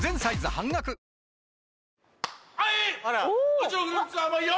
・うちのフルーツは甘いよ！